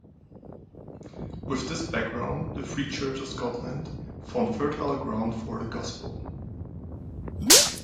With this background, the Free Church of Scotland found fertile ground for the gospel.